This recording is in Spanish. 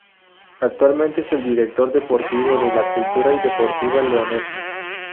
Actualmente es el Director Deportivo de la Cultural y Deportiva Leonesa.